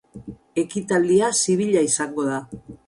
Ekitaldi zibila izango da.